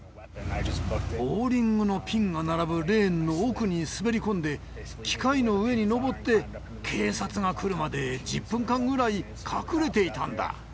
ボウリングのピンが並ぶレーンの奥に滑り込んで、機械の上にのぼって、警察が来るまで１０分間ぐらい隠れていたんだ。